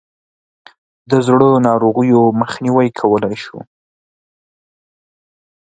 د زړه ناروغیو مخنیوی کولای شو.